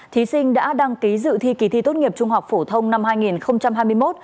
thí sinh đã đăng ký dự thi kỳ thi tốt nghiệp trung học phổ thông năm hai nghìn hai mươi một